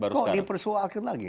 kok dipersoalkan lagi